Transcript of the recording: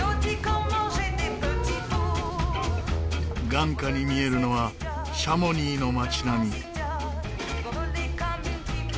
眼下に見えるのはシャモニーの街並み。